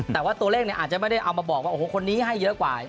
แต่ว่าตัวเลขเนี่ยอาจจะไม่ได้เอามาบอกว่าโอ้โหคนนี้ให้เยอะกว่า